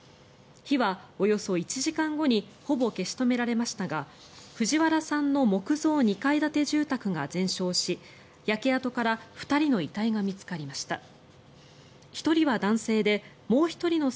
火はおよそ１時間後にほぼ消し止められましたが藤原さんの木造２階建て住宅が全焼し焼け跡から２人の遺体が見つかりました。